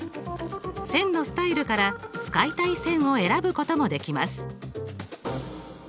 線のスタイルから使いたい線を選ぶこともできます。